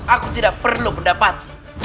aku tidak perlu pendapat